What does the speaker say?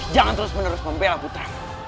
jangan terus menerus membela putra